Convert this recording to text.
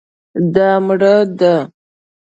دا مړه ده